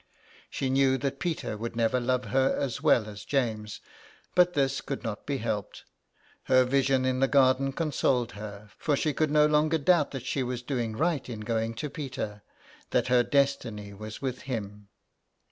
She knew that Peter would never love her as well as James, but this could not be helped. Her vision in the garden consoled her, for she could no longer doubt that she was doing right in going to Peter, that her destiny was with him.